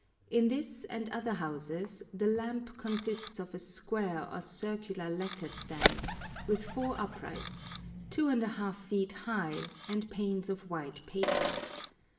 In this and other houses the lamp consists of a square or circular lacquer stand, with four uprights, 2½ feet high, and panes of white paper.